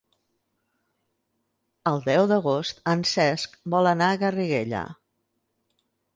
El deu d'agost en Cesc vol anar a Garriguella.